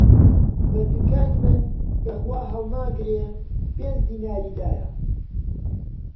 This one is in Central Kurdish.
بە تکای من کە خوا هەڵناگرێ، پێنج دیناری دایە